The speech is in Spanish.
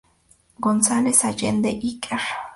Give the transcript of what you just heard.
González-Allende, Iker.